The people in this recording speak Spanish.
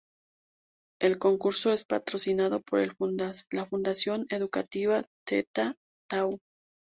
El concurso es patrocinado por la Fundación Educativa Theta Tau.